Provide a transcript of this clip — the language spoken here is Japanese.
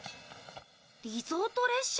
リゾート列車？